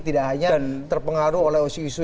tidak hanya terpengaruh oleh usus usus